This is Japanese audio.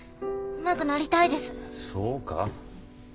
そうか？